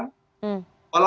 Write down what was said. walaupun memenuhi prosedurnya